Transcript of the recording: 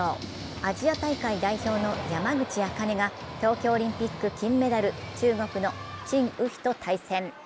アジア大会代表の山口茜が東京オリンピック金メダル、中国の陳雨菲と対戦。